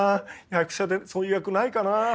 役者でそういう役ないかな。